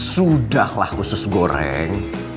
sudahlah khusus goreng